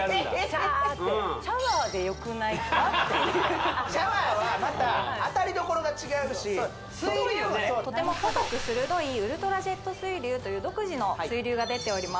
シャーッてシャワーでよくないかっていうシャワーはまた当たりどころが違うし水流がねとても細く鋭いウルトラジェット水流という独自の水流が出ております